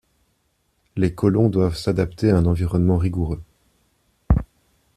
Les colons doivent s’adapter à un environnement rigoureux.